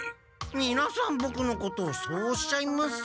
みなさんボクのことをそうおっしゃいます。